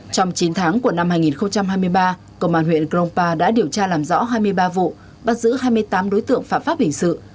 trong chín tháng của năm hai nghìn hai mươi ba công an huyện krongpa đã điều tra làm rõ hai mươi ba vụ bắt giữ hai mươi tám đối tượng phạm pháp hình sự